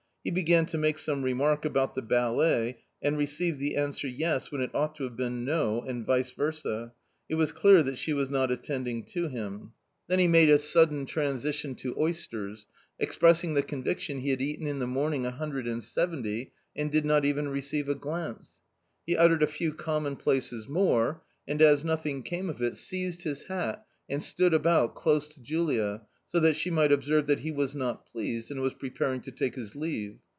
He began to make some remark about the ballet and received the answer " yes " when it ought to have been " no " and vice versd ; it was clear that she was not attending to him. A COMMON STORY 175 Then he made a sudden transition to oysters, ex pressing the conviction he had eaten in the morning a hundred and seventy, and did not even receive a glance. He uttered a few commonplaces more and, as nothing came of them, seized his hat and stood about close to Julia, so that she might observe that he was not pleased and was preparing to take his leave.